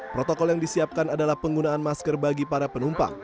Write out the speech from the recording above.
protokol yang disiapkan adalah penggunaan masker bagi para penumpang